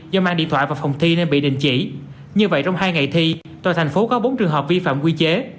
do mang điện thoại vào phòng thi nên bị đình chỉ như vậy trong hai ngày thi toàn thành phố có bốn trường hợp vi phạm quy chế